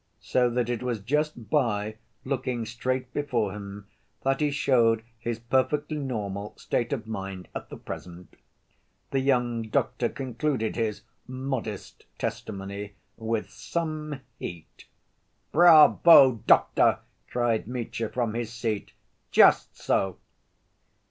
So that it was just by looking straight before him that he showed his perfectly normal state of mind at the present. The young doctor concluded his "modest" testimony with some heat. "Bravo, doctor!" cried Mitya, from his seat, "just so!"